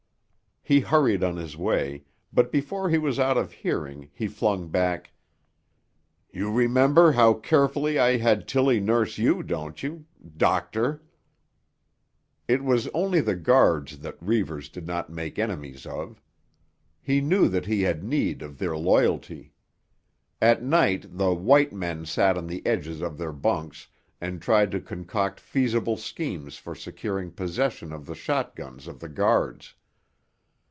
He hurried on his way, but before he was out of hearing he flung back—— "You remember how carefully I had Tilly nurse you, don't you—doctor?" It was only the guards that Reivers did not make enemies of. He knew that he had need of their loyalty. At night the "white men" sat on the edges of their bunks and tried to concoct feasible schemes for securing possession of the shotguns of the guards.